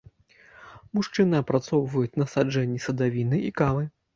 Мужчыны апрацоўваюць насаджэнні садавіны і кавы.